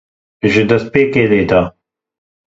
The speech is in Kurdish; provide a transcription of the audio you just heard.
Ji destpêkê lêde.